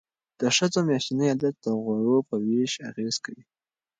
د ښځو میاشتنی عادت د غوړو په ویش اغیز کوي.